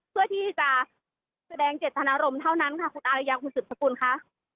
เพื่อที่จะแสดงเจตนารมณ์เท่านั้นค่ะคุณอารยาคุณสืบสกุลค่ะ